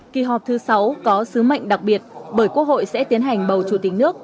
kỳ họp thứ sáu có sứ mệnh đặc biệt bởi quốc hội sẽ tiến hành bầu chủ tịch nước